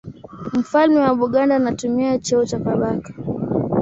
Mfalme wa Buganda anatumia cheo cha Kabaka.